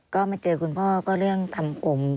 ก็มาเจอคุณพ่อก็เรื่องทำผม